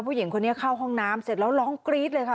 ผู้หญิงคนนี้เข้าห้องน้ำเสร็จแล้วร้องกรี๊ดเลยค่ะ